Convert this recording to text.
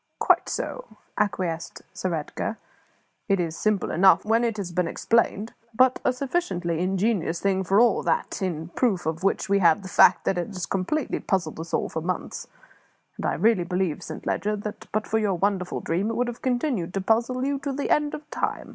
"Quite so," acquiesced Sir Edgar. "It is simple enough when it has been explained; but a sufficiently ingenious thing for all that, in proof of which we have the fact that it has completely puzzled us all for months; and I really believe, Saint Leger, that, but for your wonderful dream, it would have continued to puzzle you to the end of time.